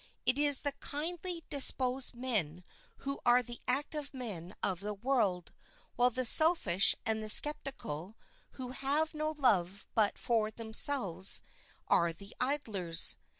It is the kindly disposed men who are the active men of the world, while the selfish and the skeptical, who have no love but for themselves, are its idlers.